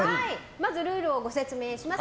まず、ルールをご説明します。